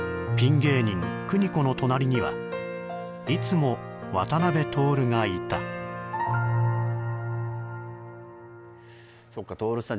芸人邦子の隣にはいつも渡辺徹がいたそっか徹さん